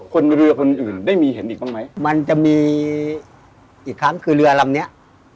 คนเรือคนอื่นได้มีเห็นอีกบ้างไหมมันจะมีอีกครั้งคือเรือลำเนี้ย